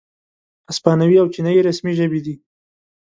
اسپانوي او چینایي رسمي ژبې دي.